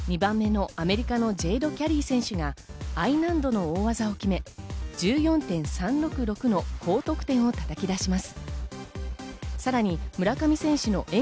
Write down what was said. ２番目のアメリカのジェイド・キャリー選手がＩ難度の大技を決め、１４．３６６の高得点をたたき出します。